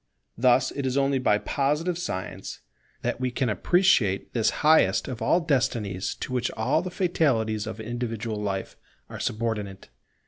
Thus it is only by Positive science that we can appreciate this highest of all destinies to which all the fatalities of individual life are subordinate.